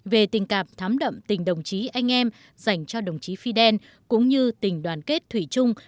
về tình cảm thám đậm tình đồng chí anh em dành cho đồng chí fidel cũng như tình đoàn kết thủy chung